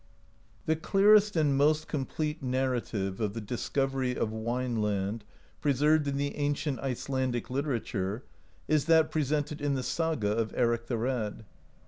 The clearest and most complete narrative of the dis covery of Wineland, preserved in the ancient Icelandic literature, is that presented in the Saga of Eric the Red.